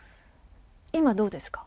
今、どうですか？